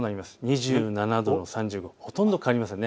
２７度、３５％、ほとんど変わりません。